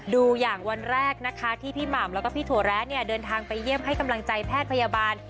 ดูอย่างวันแรกนะคะที่พี่หม่ำแล้วก็พี่ถั่วแร้เนี่ยเดินทางไปเยี่ยมให้กำลังใจแพทย์พยาบาล